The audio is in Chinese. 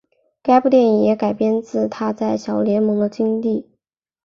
这部电影也改编自他在小联盟的经历。